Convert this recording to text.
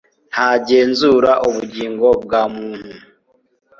ntagenzura ubugingo bwa muntu